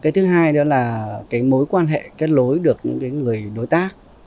thứ hai là mối quan hệ kết lối được những người đối tác